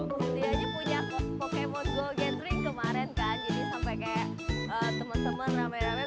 dia aja punya pokemon go gathering kemarin kan jadi sampai kayak temen temen ramai ramai